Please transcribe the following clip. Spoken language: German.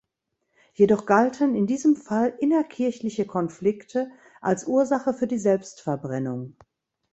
Jedoch galten in diesem Fall innerkirchliche Konflikte als Ursache für die Selbstverbrennung.